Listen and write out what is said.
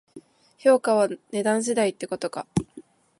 評価は値段次第ってことか